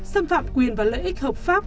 xâm phạm quyền và lợi ích hợp pháp